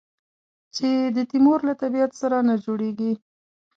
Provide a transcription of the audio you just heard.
چې د تیمور له طبیعت سره نه جوړېږي.